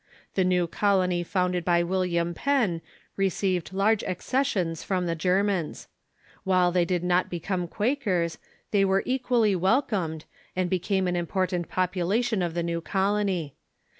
The new colony founded by William Penn received large acces sions from the Germans. While they did not become Quak ers, they were equally welcomed, and became an important population of the new colony.